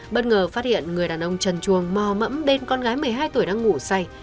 bất ngờ phát hiện người đàn ông trần chuồng mò mẫm bên con gái một mươi hai tuổi đang ngủ say